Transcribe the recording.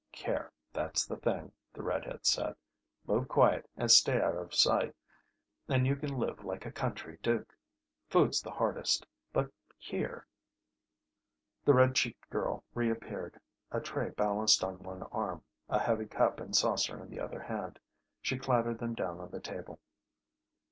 "Care, that's the thing," the red head said. "Move quiet, and stay out of sight, and you can live like a County Duke. Food's the hardest, but here " The red cheeked girl reappeared, a tray balanced on one arm, a heavy cup and saucer in the other hand. She clattered them down on the table.